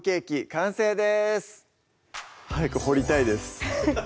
完成です早く掘りたいです